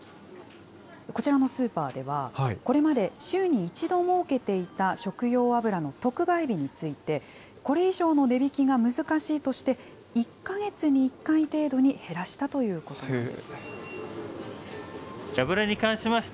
こちらのスーパーでは、これまで週に１度設けていた食用油の特売日について、これ以上の値引きが難しいとして、１か月に１回程度に減らしたということなんです。